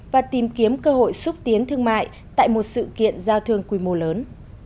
và tìm kiếm cơ hội xúc tiến thương mại tại một sự kiện giao thương quy mô lớn